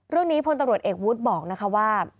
ร่วมนี้พตรเอกวุทธ์บอกว่า